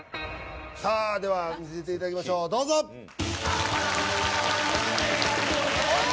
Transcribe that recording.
さあでは見せていただきましょうどうぞおっ！